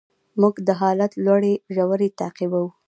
موږ د حالت لوړې ژورې تعقیبوو.